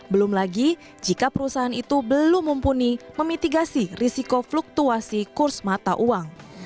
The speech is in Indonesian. belum lagi jika perusahaan itu belum mumpuni memitigasi risiko fluktuasi kurs mata uang